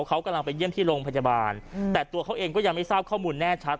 เขากำลังไปเยี่ยมที่โรงพยาบาลแต่ตัวเขาเองก็ยังไม่ทราบข้อมูลแน่ชัด